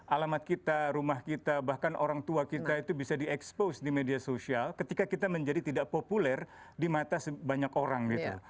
alamat kita rumah kita bahkan orang tua kita itu bisa di expose di media sosial ketika kita menjadi tidak populer di mata sebanyak orang gitu